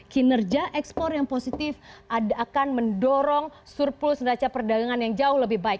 kinerja ekspor yang positif akan mendorong surplus neraca perdagangan yang jauh lebih baik